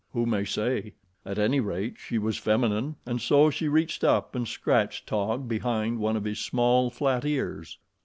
Who may say? At any rate, she was feminine, and so she reached up and scratched Taug behind one of his small, flat ears.